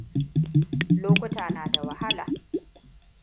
Lokuta na da wahala.